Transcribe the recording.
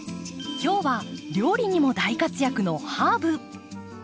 今日は料理にも大活躍のハーブ。